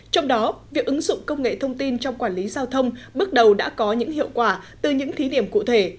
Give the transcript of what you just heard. trong đó việc ứng dụng công nghệ thông tin trong quản lý giao thông bước đầu đã có những hiệu quả từ những thí điểm cụ thể